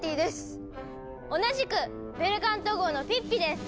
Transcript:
同じくベルカント号のピッピです！